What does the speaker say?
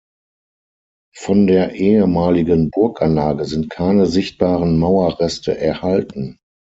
Von der ehemaligen Burganlage sind keine sichtbaren Mauerreste erhalten.